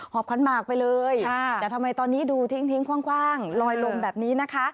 บขันหมากไปเลยแต่ทำไมตอนนี้ดูทิ้งคว่างลอยลมแบบนี้นะคะ